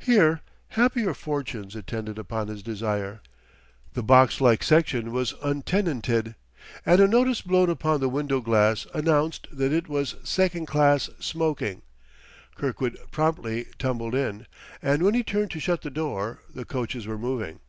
Here happier fortune attended upon his desire; the box like section was untenanted, and a notice blown upon the window glass announced that it was "2nd Class Smoking." Kirkwood promptly tumbled in; and when he turned to shut the door the coaches were moving.